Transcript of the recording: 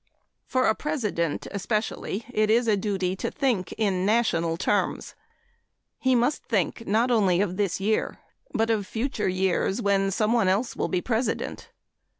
For a President especially it is a duty to think in national terms. He must think not only of this year but of future years, when someone else will be President.